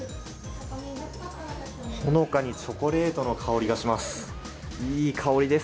ほのかにチョコレートの香りがします。